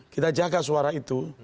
kita jaga suara itu